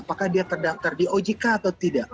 apakah dia terdaftar di ojk atau tidak